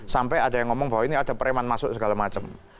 sampai ada yang ngomong bahwa ini ada preman masuk segala macam